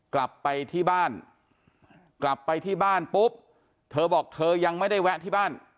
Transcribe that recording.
กลับไปที่บ้านกลับไปที่บ้านปุ๊บเธอบอกเธอยังไม่ได้แวะที่บ้าน